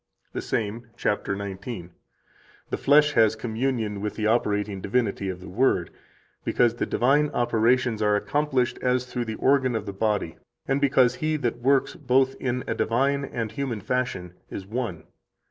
98 The same, cap. 19: "The flesh has communion with the operating divinity of the Word, because the divine operations are accomplished as through the organ of the body, and because He that works both in a divine and human fashion is one.